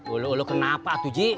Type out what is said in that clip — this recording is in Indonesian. ulu ulu kenapa tuh ji